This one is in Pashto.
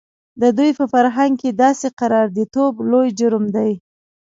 د دوی په فرهنګ کې داسې قراردادي توب لوی جرم دی.